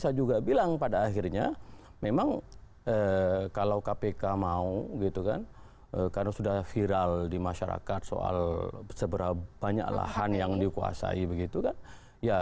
panjang karena sudah viral di masyarakat soal seberapa banyak lahan yang dikuasai begitu kan ya